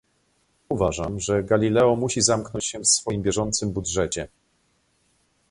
Uważam, że Galileo musi zamknąć się w swoim bieżącym budżecie